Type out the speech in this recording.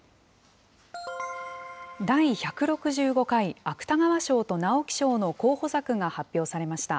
第１６５回芥川賞と直木賞の候補作が発表されました。